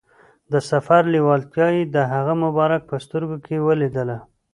د سفر لیوالتیا یې د هغه مبارک په سترګو کې ولیدله.